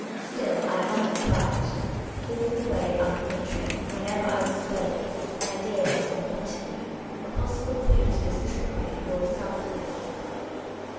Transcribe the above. Still, I hardly cried. All the way up in the train, whenever I was awake, an idea had been haunting me — a possible clue to this trickery of Lord Southminster's.